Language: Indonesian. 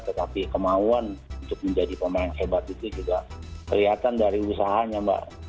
tetapi kemauan untuk menjadi pemain hebat itu juga kelihatan dari usahanya mbak